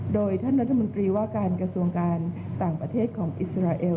โดยท่านรัฐมนตรีว่าการกระทรวงการต่างประเทศของอิสราเอล